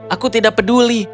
aku tidak peduli